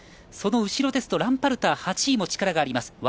その後ろですとラムパルター、８位も力があります。